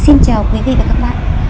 xin chào quý vị và các bạn